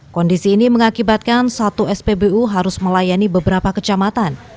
kondisi ini mengakibatkan satu spbu harus melayani beberapa kecamatan